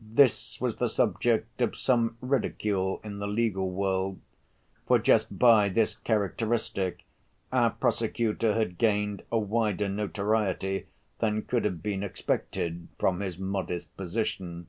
This was the subject of some ridicule in the legal world, for just by this characteristic our prosecutor had gained a wider notoriety than could have been expected from his modest position.